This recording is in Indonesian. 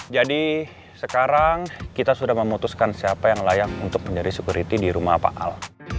jadi sekarang kita sudah memutuskan siapa yang layak untuk menjadi security di rumah pak al